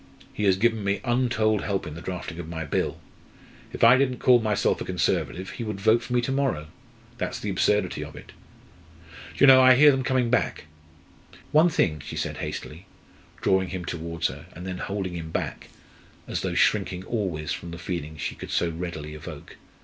He has given me untold help in the drafting of my Bill. If I didn't call myself a Conservative, he would vote for me to morrow. That's the absurdity of it. Do you know, I hear them coming back?" "One thing," she said hastily, drawing him towards her, and then holding him back, as though shrinking always from the feeling she could so readily evoke.